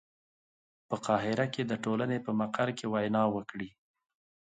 په قاهره کې د ټولنې په مقر کې وینا وکړي.